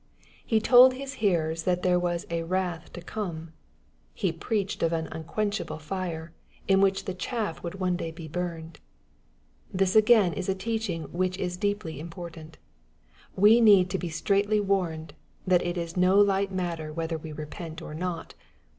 He told his hearers that there was a "wrath to come.'' He preached of an " anc[uenchable fire," in which the chaff would one day be burned. This again is a teaching which is deeply important. We need to be straitly warned, that it is no light matter whether we repent or not.